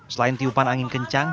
selain tiupan angin kencang